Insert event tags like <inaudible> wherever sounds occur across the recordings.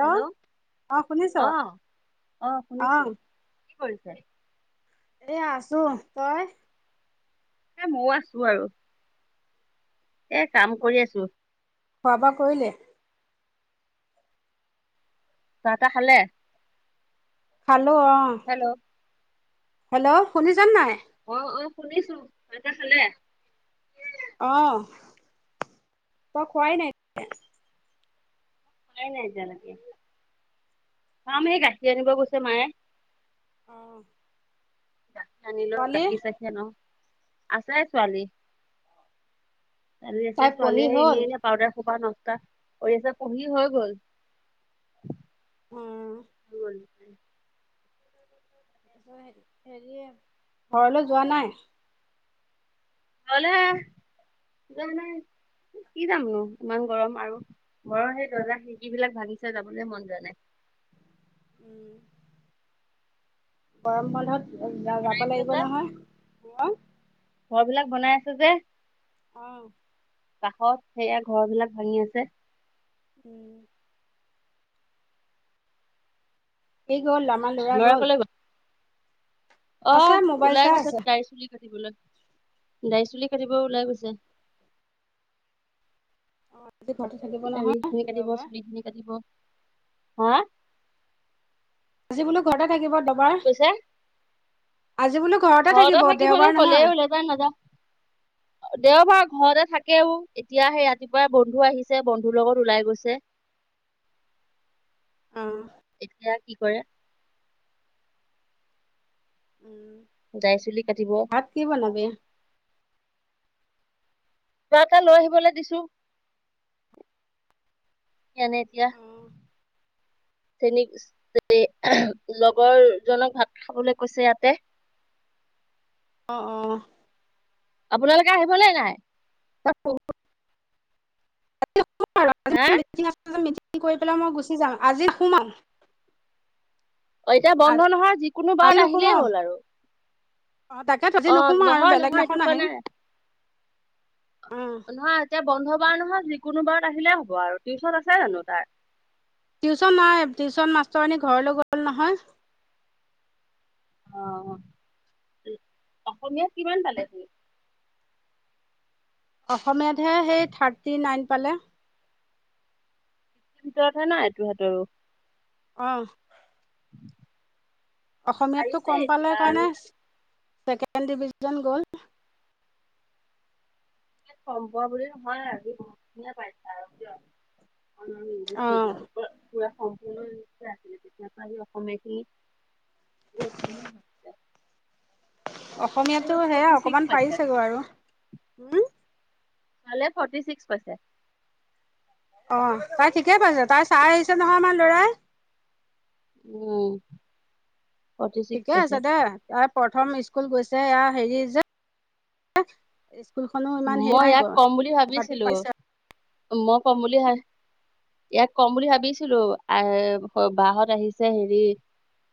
Hello, অ শুনিছ অ, অ, শুনিছো কি কৰিছে? এ আছো তই? এ মও আছো আৰু। এ কাম কৰি আছো। খোৱা বোৱা কৰিলে। চাহ তাহ খালে? খালো অ- হেল্ল'- হেল্ল' শুনিছনে নাই? অ অ শুনিছো চাহ তাহ খালে? অ তই খোৱাই নাই? খোৱাই নাই এতিযা লৈকে অ মা মানে গাখীৰ আনিব গৈছে মায়ে- অ গাখীৰ আনিলো গাখীৰ চাখিৰ আনো, আছে ছোৱালী। চালি তাই আছে, পঢ়ি ছোৱালী আহি হ'ল এনে এনে পাউদাৰ সোপা নষ্টা কৰি আছে পঢ়ি হৈ গল। অম হয় হেৰি ঘৰলৈ যোৱা নাই? ঘৰলে যোৱা নাই কি যামনো ইমান গৰম আৰু ঘৰৰ সেই দৰ্জা খিৰিকী বিলাক ভাঙিচে যাবলৈ মন যোৱা নাই। উম গৰম বন্ধত যা ঘৰ বিলাক বনাই যাব আছে লাগিব যে নহয় ঘত- ঘৰ বিলাক বনাই আছে যে। অ'। কাষত সেয়া ঘৰ বিলাক ভাঙি আছে। উম। সি গ'ল আমাৰ ল'ৰা গল। অ আছে মোবাইল ওলাই চাই গৈছে আছে দাৰি চুলি কাটিবলৈ দাৰি চুলি কাটিব ওলাই গৈছে। অ আজি ঘৰতে থাকিব দাৰি নহয় খিনি কাটিব দেওবাৰ চুলি খিনি কাটিব হা, আজি বোলো ঘৰতে থাকিব দেওবাৰ কৈছে আজি বোলো ঘৰতে থাকিব দেওবাৰ নহয়। নাই নাযাও। দেওবাৰ ঘৰতে থাকেও এতিয়া সেই ৰাতিপুৱাই বন্ধু আহিছে বন্ধুৰ লগত ওলাই গৈছে। <unintelligible> আহ এয়া কি কৰে? উম। দাৰি চুলি কাটিব। ভাত কি বনাবি? কিবা এটা লৈ আহিবলে দিছো। এনে এতিয়া চেনী লগৰ জনক ভাত খাবলৈ কৈছে ইয়াতে। অ, অ। আপোনালোকে আহিবলে নাই <unintelligible> হে? মিটি আছে যে মিটিং কৰি পেলাই মই গুচি যাম, আজি শুম আও। অ', এতিয়া বন্ধ নহয় যিকোনো আজি বাৰত আহিলেই নোসোমাও হ'ল আৰু অ', তাকে আজি অ নোসোমাওঁ আৰু নহয় নহয় এইটো বেলেগদিনাখন কোৱা আহিম, নাই উ'ম। নহয় এতিয়া বন্ধ বাৰ নহয়, যিকোনো বাৰত আহিলে হ'ব আৰু টিউচন আছে জানো তাৰ? টিউশন নাই টিউশচন মাষ্টৰনী ঘৰলৈ গ'ল নহয়। অ অসমীয়াত কিমান পালে পৰীয়ে? অসমীয়াতহে সেই থাৰ্টি নাইন পালে। ভিতৰতহে ন এটোহতৰো অ'। অসমীয়াটো পাৰিছে কম পালে এতিয়া আৰু কাৰণে ছেকেণ্ড ডিভিজন গ'ল। কমপোৱা বুলি নহয় আৰু বহুত খিনিয়ে পাইছে আৰু দিয়ক। ইংলিছ অ মিডিয়ামৰ পৰা পুৰা। সম্পুৰ্ণ আছিলে তেতিয়াৰ পৰা সি অসমীয়াখিনি বহুতখিনি। অসমীয়াটো সেয়া ফৰ্টি ছিক্স অকমান পাইছে পাৰিছেগৈ আৰু উম ভালে ফৰ্টি ছিক্স পাইছে। অ', তাই ঠিকে পাইছে, তাইক চাই আহিছে নহয় আমাৰ লৰাই। উ'ম। ফৰ্টি ছিক্স ঠিকে পাইছে আছে দে তাই প্ৰথম স্কুল গৈছে এয়া হেৰি যে। স্কুলখনো ইমান হেৰি মই ইয়াক নাইতো কম বুলি তথাপি ভাবিছিলো পাইছে। মই ক'ম বুলি হে ইয়াক কম বুলি ভাবিছিলো এ বাহত আহিছে হেৰি।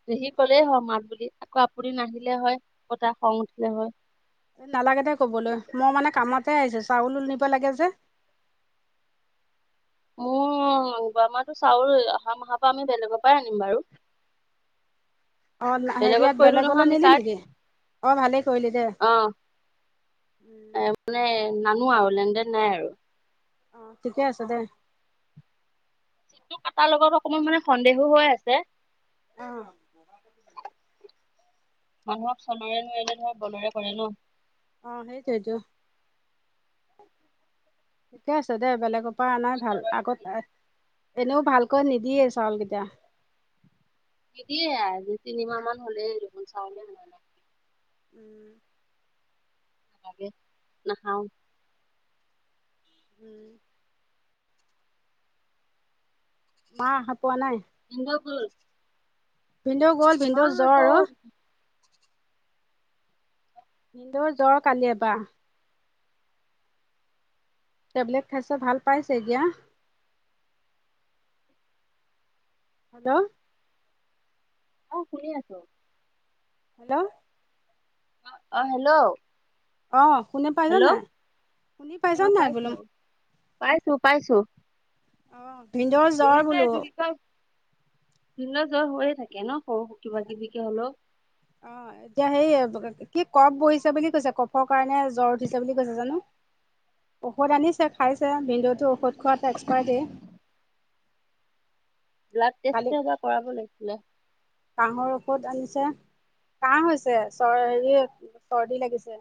পেহীক কলেই হয় মাত বুলি আকৌ আপুনি নাহিলে হয়, আকৌ তাৰ খং উঠিলে হয়। নালাগে দে কবলৈ মই মানে কামতে আহিছো চাউলো নিব লাগে যে। মোৰ যোৱামাহটো চাউল অহা মাহৰ পৰা আমি বেলেগৰ পৰাই আনিম বাৰু। <unintelligible> অ', লা বেলেগত সেৰিয়াত কৰিলো নহয় বেলেগলৈ আমি নিলি কাৰ্ড নেকি অ', ভালেই কৰিলি দে। অ এ মানে নানো আৰু লেন- দেন নাই আৰু অ', ঠিকে আছে দে। চিটটো কটাৰ লগত অকমান মানে সন্দেহো হৈ আছে। অহ মানুহক চনৰে নোৱাৰিলে ধৰক বলেৰে কৰে ন। অ', সেইটোৱে টো থিকে আছে দে বেলেগক পৰা নাই ভাল আগত এনেও ভালকৈ নিদিয়ে চাউলকেইটা। নিদিয়ে দুই, তিনিমাহ মান হলেই দেখোন চাউলে দিয়া নাই। উম নাখাওঁ। উম মা হাতোৱা নাই। এঞ্জয়কুল ভিনদেউ গ'ল। মা ভিনদেউ জ্বৰ অ ক'ত মোৰ জ্বৰ কালিয়ে পা। টেবলেট খাইছা ভাল পাইছে এতিয়া। হেল্লো আৰু শুনি আছো। হেল্ল'- অ হেল্ল' অ শুনি পাইছ হেল্ল' অ', নাই? শুনি পাইছ নাই পাইছো। বোলো। পাইছো পাইছো। অ ভিনদেউ - এৰি যে এইটো কি কয় ভিনদেউ জ্বৰ হৈয়ে থাকে ন সৰু কিবা কিবিকে হলেও। অ এতিয়া সেই- কি কফ বহিছে বুলি কৈছে কফৰ কাৰণে জ্বৰ উঠিছে বুলি কৈছে জানো। ঔষধ আনিছে খাইছে ভিনদেউতো ঔষধ খোৱাত এক্সপায়। ব্লাড টেষ্ট কালি এবাৰ কৰাব লাগিছিলে। কাঁহৰ ঔষধ আনিছে। কাহ হৈছে চৰ হেৰি চৰ্দি লাগিছে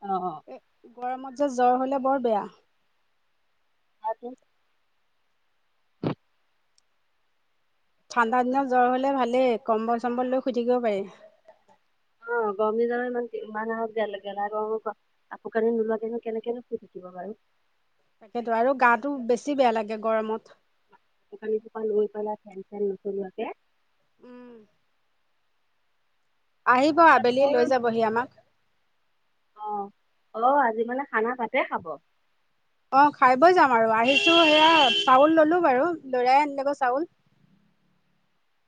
অ, অ, এ গৰমত যে জ্বৰ হলে বৰ বেয়া। আৰু ঠাণ্ডা দিনত জ্বৰ হলে ভালেই কম্বল চম্বল লৈ শুই থাকিব পাৰি। অ, গৰম দিনত য ইমান ইমান আহক গেল গেলা আৰু কাপোৰ কানি নোলোৱাকে কেনেকৈ শুই থাকিবা বাৰু। তাকেতো আৰু গাতো বেছি বেয়া লাগে গৰমত। শোকানী চোকান ল পেলাই ফেন চেন নচলোৱাকে, উম, আহিব আবেলি লৈ যাবহি আমাক। অ' আজি মানে খানা তাতে খাব। অ' খাই বৈ যাম আৰু আহিছো সেয়া চাউল ললো বাৰু লৰাই আনিলে চাউল।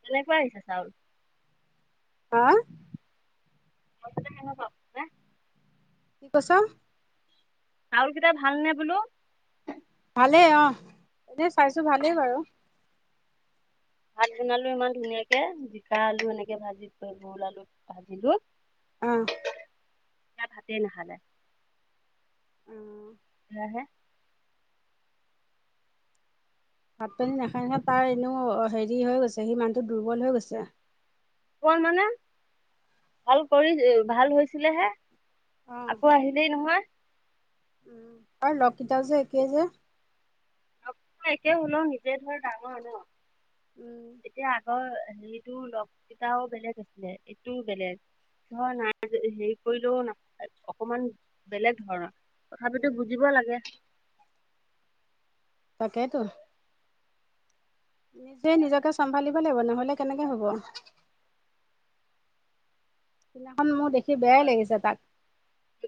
কেনেকে আহিছা চাউল? হা? ম পাপ <unintelligible> কি কৈছ? চাউল কেইটা ভাল নে বোলো? ভালেই অ' এনে চাইছো ভালেই বাৰু। ভাত বনালো ইমান ধুনীয়াকে, জিকা আলু এনেকে ভাজি থৈ ভোল আলু ভাজিলো। অ', ইয়াত ভাতেই নাখালে। অহ, <unintelligible> ভাত পানী নাখায় নহয় তাৰ এনেও হেৰি হৈ গৈছে সি মানুহ টো দুৰ্বল হৈ গৈছে। অমান মানে ভাল কৰি ভাল হৈছিলেহে। অ আকৌ আহিলেই নহয়। উম আৰু লগকিতা যে একেই যে। একে ওলও নিজে ধৰ ডাঙৰ ন' উম এতিয়া আগৰ হেৰিতটো লগ কেইতাও বেলেগ আছিলে এইটোও বেলেগ। ধৰ ন' হেৰি কৰিলেও ন' অকমান বেলেগ ধৰণৰ। তথাপিতো উম বুজিব লাগে। তাকেতো। নিজে নিজকে চম্ভালিব লাগিব নহলে কেনেকে হব। সিনাখন মোৰ দেখি বেয়াই আৰু লাগিছে তাক।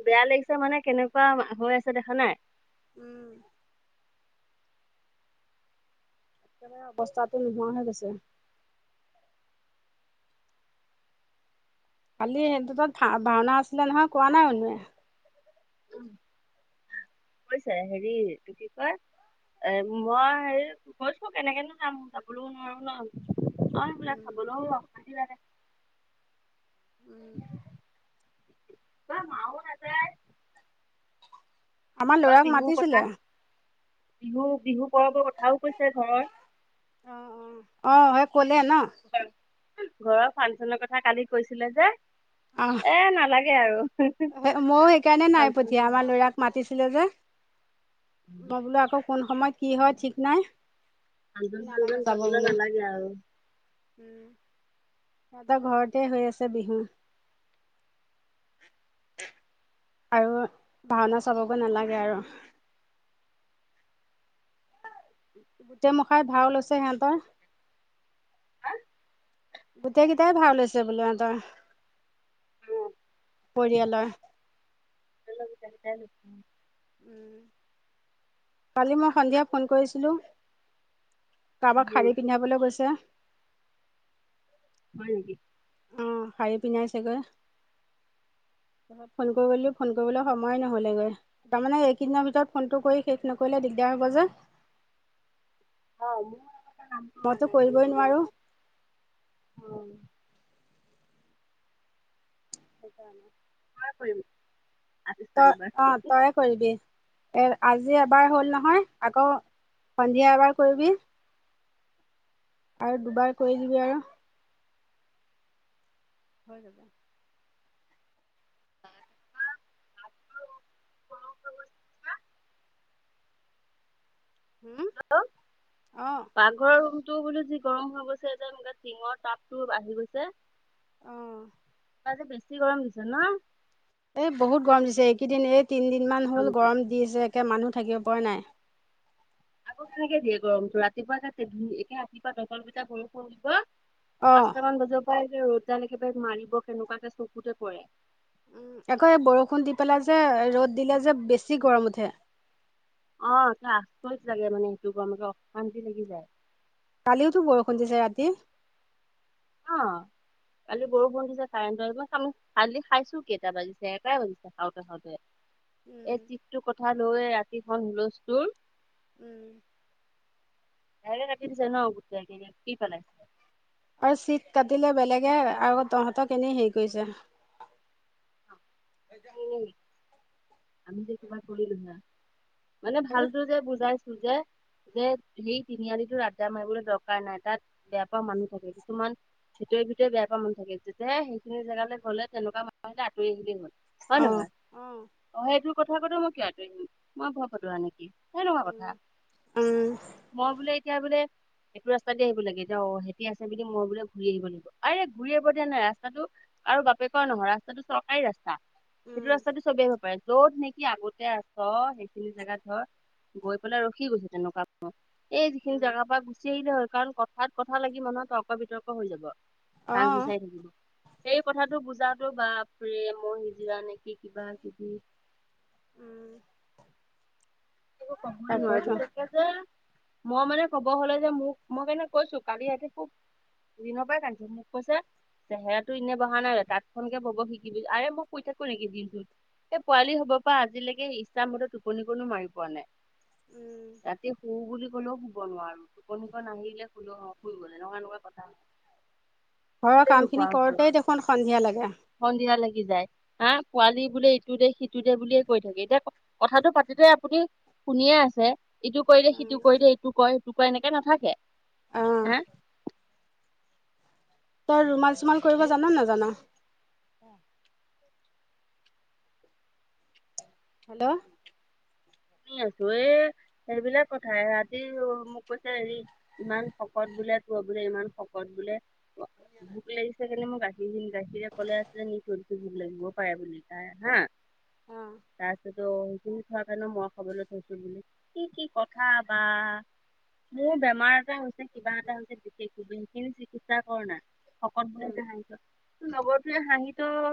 বেয়া লাগিছে মানে কেনেকুৱা হৈ আছে দেখা নাই? উম, অৱস্থাটো নোহোৱা হৈ গৈছে। কালি সেইটো তাত ভা-ভাওনা আছিলে নহয় কোৱা নাই এনেয়ে? কৈছে হেৰি তো কি কয়? এ মই হেৰি কৈছো কেনেকেনো যাম যাবলৈও নোৱাৰো ন' অ', সেইবিলাগ খাবলেও অশান্তি লাগে। উম <unintelligible> আমাৰ বা ল'ৰাক বিহুৰ মাতিছিলে কথা বিহু-বিহু পৰৱৰ কথাও কৈছে ঘৰৰ অ, সেই ক'লে ন। ঘৰৰ ফাংচনৰ কথা কালি কৈছিলে যে। অ'। এ নালাগে আৰু। ময়ো এইকাৰণে নাই ফাংচন পঠিয়া আমাৰ লৰাক মাতিছিলে যে। মই বোলো আকৌ কোন সময়ত কি হয় ঠিক নাই। নালাগে ফাংচন-চাংচন চাবলে নেলাগে আৰু। উম, সিহতৰ ঘৰতে হৈ আছে বিহু। আৰু ভাওনা চাবগে নালাগে আৰু। গোটেই মোখাই ভাও লৈছে সিহঁতৰ। গোটেইকেইটাই ভাও লৈছে বোলে সিহঁতৰ। উম, পৰিয়ালৰ <unintelligible> উম, কালি মই সন্ধিয়া ফোন কৰিছিলোঁ। কাৰোবাক উম, শাৰী পিন্ধাবলৈ গৈছে। হয় নিকি? অ', শাৰী পিন্ধাইচে গৈ। <unintelligible> ফোন কৰিব দিলো, ফোন কৰিবলৈ সময় নহ'লেগৈ। তাৰমানে এইকেইদিনৰ ভিতৰত ফোনটো কৰি শেষ নকৰিলে দিগদাৰ হব যে। অ', মইতো মোৰ কৰিবই নোৱাৰোঁ <unintelligible> অ'। সেইকাৰণে। কৰিম আজি তই, চাৰিবাৰ। অ' তই কৰিবি, এ আজি এবাৰ হ'ল নহয় আকৌ সন্ধিয়া এবাৰ কৰিবি। আৰু দুবাৰ কৰি দিবি আৰু হৈ যাব। হুম হেল্ল, অঁ পাকঘৰ টো বোলো যি গৰম হৈ গৈছে যেন টিঙৰ তাপতো আহি গৈছে। অ'। আজি বেছি গৰম দিছে ন? এ বহুত গৰম দিছে এইকেইদিন, এই তিনিদিন মান হ'ল গৰম দিছে একে মানুহ থাকিব পৰা নাই। আকৌ কেনেকে দিয়ে গৰমটো, ৰাতিপুৱাতে একে ৰাতিপুৱা দবা পিতা বৰষুণ দিব অঁ পাঁছটামান বজাৰ পৰাই যে ৰ'দ দাল একেবাৰে মাৰিব সেনেকুৱাকে চকুতে পৰে। আকৌ এই বৰষুণ দি পেলাই যে, ৰ'দ দিলে যে বেছি গৰম উঠে। অ', চা <unintelligible> মানে সেইটো গমে অশান্তি লাগি যায়। কালিওতো বৰষুণ দিছে ৰাতি। অ', কালি বৰষুণ দিছে কাৰেণ্ট, মই চালো কালি খাইছো কেইটা বাজিছে এটাই বাজিছে খাওঁতে খাওঁতে। এই চিটটো কথা লৈ ৰাতিখন হুলস্থুৰ। উম। হে ৰাটি দিছে ন গোটেই, কি পেলে? আৰু চিট কাটিলে বেলেগে আৰু তহঁতক এনেই হেৰি কৰিছে। উম। আমি যে কিবা কৰিলো হে, মানে সেইটো ভালতো যে বুজাইছো যে যে সেই তিনিআলিটো আড্ডামাৰিবলৈ দৰকাৰ নাই, তাত বেয়া পোৱা মানুহ থাকে কিছুমান ভিতৰে ভিতৰে বেয়া পোৱা মানুহ থাকে। যেতিয়া সেইখিনি জেগালে গলে তেনেকুৱা মানুহ আহিলে আঁতৰি আহিলে হ'ল। হয় নহয়? অ', সেইটো কথা কওতে মই কি আতৰিম, মই ভয় পদোৱা নিকি সনেকুৱা কথা। উম। উম। মই বোলে এতিয়া বোলে এইটো ৰাস্তা দি আহিব লাগে এতিয়া অ' সেতি আছে বুলি মই বোলে ঘূৰি আহিব লাগিব, আৰে ঘূৰি আহব দিয়া নাই ৰাস্তাটো আৰু বাপেকৰ নহয় ৰাস্তাটো চৰকাৰী ৰাস্তা সেইটো উম, ৰাস্তাটো চবেই হব পাৰে। য'ত নেকি আগতে আছ সেইখিনি জেগাত ধৰ গৈ পেলাই ৰখি গৈছে তেনেকুৱা এই যিখিনি উম। জেগাৰ পৰা গুচি আহিলে হল কাৰণ ক ঠাত কথা লাগি মানুহৰ তৰ্ক বিতৰ্ক হৈ যাব মাজ অ', বিচাৰি থাকিবি। সেই কথাটো বুজাতো বাপৰে, মই সিজিৰা নিকি কিবা-কিবি। উম। একো ক'বই নোৱাৰো তাকেতো। বিশেষকে যে, মই মানে কব হলে যে মোক মই কাৰণে কৈছো কালি ৰাতি খুব দিনৰ পৰা কান্দিছে মোক কৈছে চেহেৰাটো এনে বহা নাই তাতখনকে বব শিকিবি আৰে মই শুই থাকো নেকি দিনটোত। এ পোৱালি হব পৰা আজিলৈকে ইচ্ছামতে টোপনি কনো মাৰিব- পোৱা নাই ৰাতি শু বুলি কলেও শুব নোৱাৰো। টোপনিখন আহিলে শুল হ শুই গ'ল এনেকুৱা এনেকুৱা কথা। ঘৰৰ শুবলে কাম নোপোৱা খিনি হৈছো কৰোতে দেখোন সন্ধিয়া লাগে। সন্ধিয়া লাগি যায়। হা পোৱালি বোলে ইটো দে সিটো দে বুলিয়ে কৈ থাকে এতিয়া কথাটো পাতিদে আপুনি শুনিয়ে আছে ইটো কৰি দিয়ে সিটো কৰি দে ইটো কয় সেইটো কয় এনেকে নাথাকে অ', হা তই ৰুমাল চোমাল কৰিব জানা নাজানা? হেল্ল' শুনি আছো এ সেইবিলাক কথাই ৰাতি মোক কৈছে হেৰি ইমান শকত বোলে ক বোলে ইমান শকত বোলে। ভোক লাগিছে কেনে মই গাখীৰ দিম গাখীৰে কলে আছিলে নি শুধ লাগিবও পাৰে বুলি তাই হা অ', তাৰপিছতো শুই উঠা কাৰণে মখ- কবলৈ থৈছো বুলি, কি কি কথা বা মোৰ বেমাৰ এটা হৈছ- কিবা এটা হৈছে বিশেষ <unintelligible> চিকিৎসা কৰ না শকত বুলি উম। যে হাঁহিছ। লগৰটোৱে হাঁহি ত